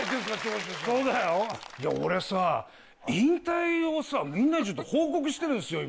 俺さ引退をみんなにちょっと報告してるんすよ